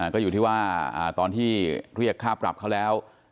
ก็อยู่ที่ว่าตอนที่เรียกค่าปรับเขาแล้ว